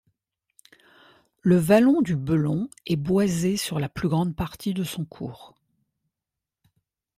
Le vallon du Belon est boisé sur la plus grande partie de son cours.